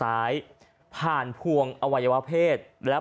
โอ๊ยตายแล้ว